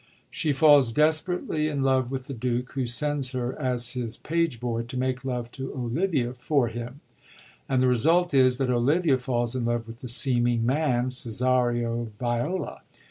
She falls desperately in love with the Duke, who sends her, as his boy page, to make love to Olivia for him. And the result is, that Olivia falls in love with the seeming man, Cesario Viola.